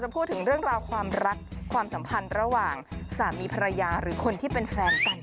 พูดถึงเรื่องราวความรักความสัมพันธ์ระหว่างสามีภรรยาหรือคนที่เป็นแฟนกัน